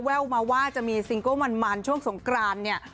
แววมาว่าจะมีซิงเกิ้ลมันช่วงสงกรานเนี่ย